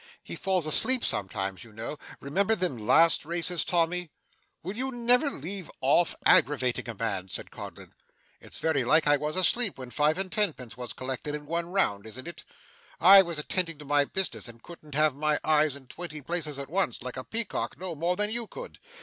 He falls asleep sometimes, you know. Remember them last races, Tommy.' 'Will you never leave off aggravating a man?' said Codlin. 'It's very like I was asleep when five and tenpence was collected, in one round, isn't it? I was attending to my business, and couldn't have my eyes in twenty places at once, like a peacock, no more than you could.